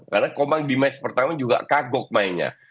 karena komang di match pertama juga kagok mainnya